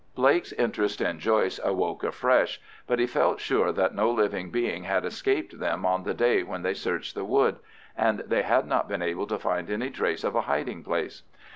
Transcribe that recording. Blake's interest in Joyce awoke afresh, but he felt sure that no living being had escaped them on the day when they searched the wood, and they had not been able to find any trace of a hiding place.